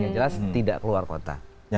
jelas tidak keluar kota